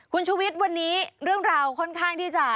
คุณชุวิตวันนี้เรื่องราวค่อนข้างที่จะ